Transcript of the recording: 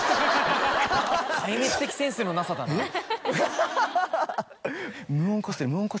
・壊滅的センスのなさだな・えっ？